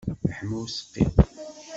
Iḥma useqqi.